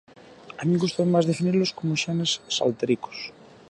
A min gústame máis definilos como xenes saltaricos.